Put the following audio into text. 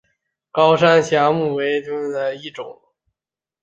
高山梾木为山茱萸科梾木属下的一个种。